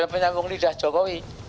penyambung lidah jokowi